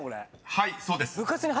［はいそうです］